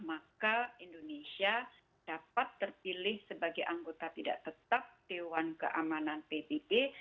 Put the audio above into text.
maka indonesia dapat terpilih sebagai anggota tidak tetap dewan keamanan pbb